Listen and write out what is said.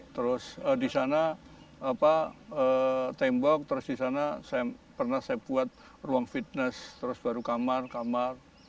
terus di sana tembok terus di sana pernah saya buat ruang fitness terus baru kamar kamar